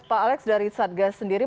pak alex dari satgas sendiri